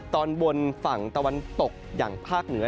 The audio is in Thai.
ตอนบนฝั่งตะวันตกอย่างภาคเหนือ